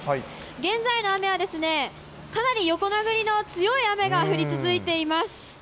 現在の雨は、かなり横殴りの強い雨が降り続いています。